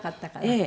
ええ。